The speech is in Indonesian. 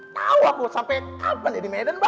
kau aku sampe kapan ya di medan mbak